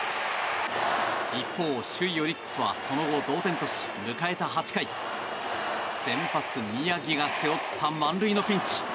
一方、首位オリックスはその後、同点とし迎えた８回先発、宮城が背負った満塁のピンチ。